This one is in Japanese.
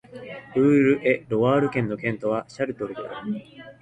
ウール＝エ＝ロワール県の県都はシャルトルである